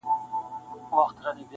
قاسم یار که ستا په سونډو مستانه سوم,